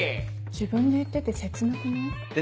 自分で言ってて切なくない？